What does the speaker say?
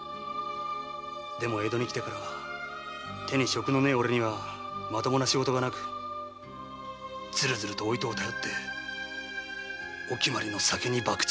でも江戸に来てからは手に職のない俺にはまともな仕事がなくずるずるとお糸を頼ってお決まりの酒に博打。